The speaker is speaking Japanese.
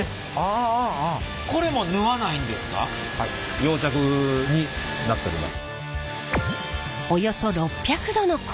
溶着になっております。